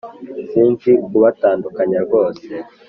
sinzi kubatandukanya rwose